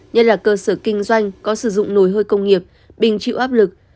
nhất là cơ sở kinh doanh có sử dụng nồi hơi công nghiệp bình chịu áp lực